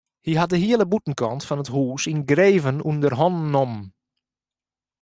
Hy hat de hiele bûtenkant fan it hús yngreven ûnder hannen nommen.